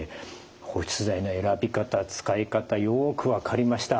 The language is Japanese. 保湿剤の選び方使い方よく分かりました。